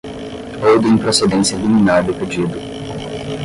ou de improcedência liminar do pedido